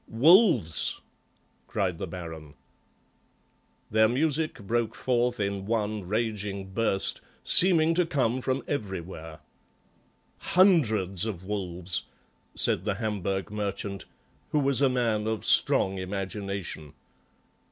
"Wolves!" cried the Baron. Their music broke forth in one raging burst, seeming to come from everywhere. "Hundreds of wolves," said the Hamburg merchant, who was a man of strong imagination.